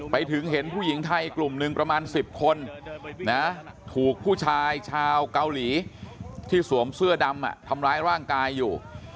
ไปถึงเห็นผู้หญิงไทยกลุ่มหนึ่งประมาณ๑๐คนถูกผู้ชายชาวเกาหลีที่สวมเสื้อดำทำร้ายร่างกายอยู่